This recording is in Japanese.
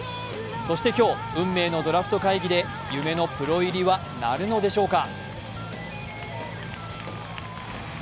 そして今日、運命のドラフト会議で夢のプロ入りはなるのでしょうか。